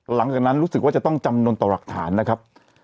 หลังจากนั้นรู้สึกว่าจะต้องจำนวนต่อหลักฐานนะครับ